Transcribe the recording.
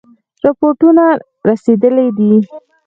رپوټونه رسېدلي دي.